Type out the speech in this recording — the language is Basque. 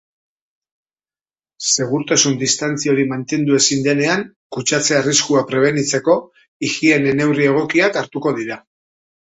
Segurtasun-distantzia hori mantendu ezin denean, kutsatze arriskuak prebenitzeko higiene-neurri egokiak hartuko dira.